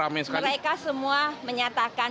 mereka semua menyatakan